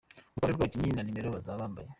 Urutonde rw’abakinnyi na numero bazaba bambaye